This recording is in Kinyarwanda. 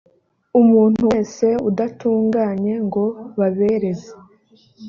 umuntu wese udatunganye ngo babereze